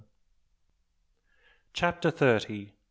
CHAPTER THIRTY.